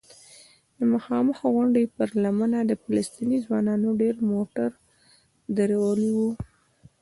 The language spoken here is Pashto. د مخامخ غونډۍ پر لمنه فلسطینی ځوانانو ډېر موټر درولي وو.